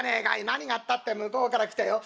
何があったって向こうから来たよ